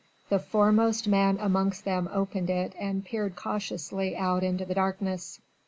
The foremost man amongst them opened it and peered cautiously out into the darkness.